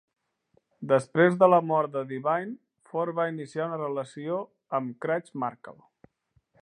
Després de la mort de Divine, Ford va iniciar una relació amb Craig Markle.